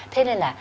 thế nên là